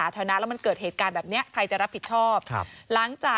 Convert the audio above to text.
เจอตัวแล้วนะคะ